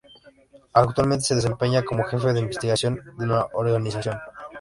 Actualmente se desempeña como jefe de investigaciones de la organización.